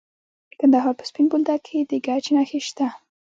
د کندهار په سپین بولدک کې د ګچ نښې شته.